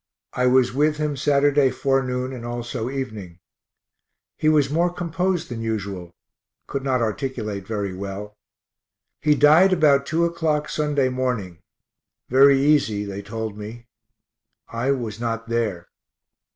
I was with him Saturday forenoon and also evening. He was more composed than usual, could not articulate very well. He died about 2 o'clock Sunday morning very easy they told me. I was not there.